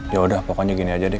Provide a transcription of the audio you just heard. yaudah pokoknya gini aja deh